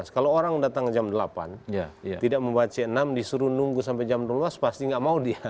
kalau orang datang jam delapan tidak membawa c enam disuruh nunggu sampai jam dua belas pasti nggak mau dia